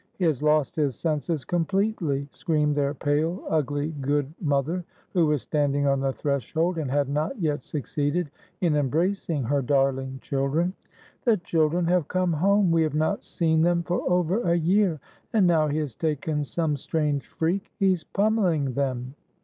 He has lost his senses completely!" screamed their pale, ugly, good mother, who was standing on the threshold, and had not yet succeeded in embracing her darling children, "The children have come home; we have not seen them for over a year; and now he has taken some strange freak, — he's pommeling them."